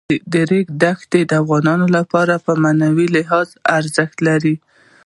د ریګ دښتې د افغانانو لپاره په معنوي لحاظ ارزښت لري.